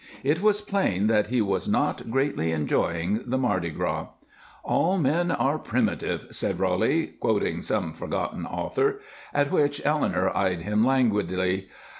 It was plain that he was not greatly enjoying the Mardi Gras. "All men are primitive," said Roly, quoting some forgotten author, at which Eleanor eyed him languidly.